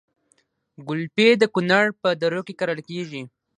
ګلپي د کونړ په درو کې کرل کیږي